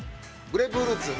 グレープフルーツ。